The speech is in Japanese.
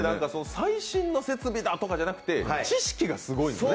最新の設備だとかじゃなくて知識がすごいですね。